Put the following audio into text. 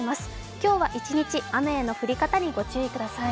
今日は一日雨への降り方にご注意ください。